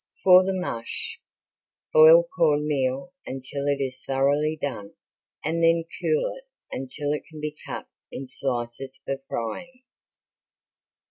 For the mush: Boil corn meal until it is thoroughly done and then cool it until it can be cut in slices for frying.